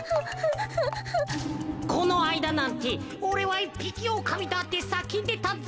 このあいだなんて「おれはいっぴきおおかみだ！」ってさけんでたぜ。